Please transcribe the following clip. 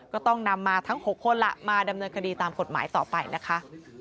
ก็ต้องนำมาทั้ง๖คนล่ะมาดำเนินคดีตามกฎหมายต่อไปนะคะ